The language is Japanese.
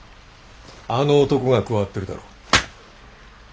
あの男が加わってるだろ。